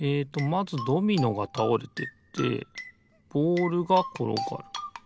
まずドミノがたおれてってボールがころがる。